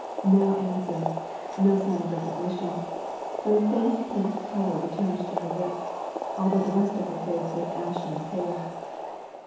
No answer; no sign of recognition; but a faint pink colour returned to her lips, although the rest of her face was ashen pale.